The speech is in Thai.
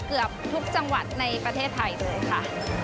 เกือบทุกจังหวัดในประเทศไทยเลยค่ะ